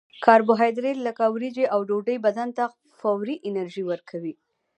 کاربوهایدریت لکه وریجې او ډوډۍ بدن ته فوري انرژي ورکوي